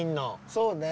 そうね。